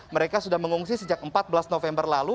mereka sudah mengungsi sejak empat belas november lalu